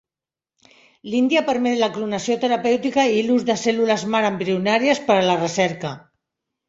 L'Índia permet la clonació terapèutica i l'ús de cèl·lules mare embrionàries per a la recerca.